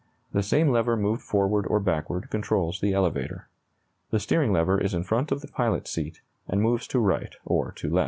The same lever moved forward or backward controls the elevator. The steering lever is in front of the pilot's seat, and moves to right or to left.